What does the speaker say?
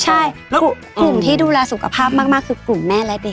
ใช่แล้วกลุ่มที่ดูแลสุขภาพมากคือกลุ่มแม่และเด็ก